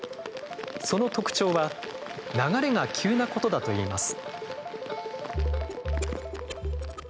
その特徴は流れが急なことだといいます。